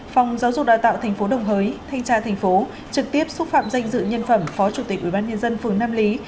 phòng giáo dục đào tạo tp đồng hới thanh tra thành phố trực tiếp xúc xúc phạm danh dự nhân phẩm phó chủ tịch ubnd phường nam lý